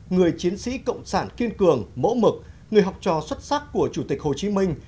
người chiến sĩ cộng sản kiên cường mẫu mực người học trò xuất sắc của chủ tịch hồ chí minh